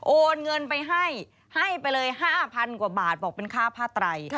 โอนเงินไปให้ให้ไปเลย๕๐๐กว่าบาทบอกเป็นค่าผ้าไตร